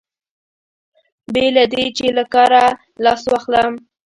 بې له دې چې له کاره لاس واخلم.